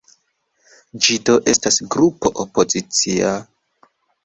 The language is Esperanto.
Ĝi do estas grupo opozicia.